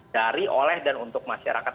dari oleh dan untuk masyarakat